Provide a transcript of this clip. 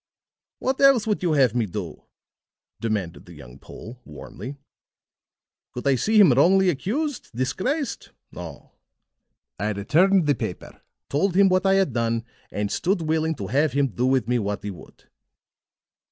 "What else would you have me do?" demanded the young Pole, warmly. "Could I see him wrongfully accused, disgraced? No. I returned the paper, told him what I had done, and stood willing to have him do with me what he would."